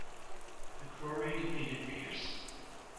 McCrory defeated Pearce.